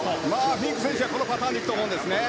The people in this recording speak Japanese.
フィンク選手はこのパターンで行くと思います。